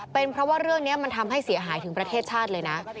เป็นเพราะว่าเรื่องนี้มันทำให้เสียหายถึงประเทศชาติเลยนะ